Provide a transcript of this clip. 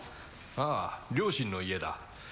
ああ両親の家だ